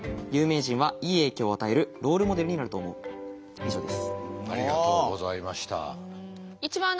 以上です。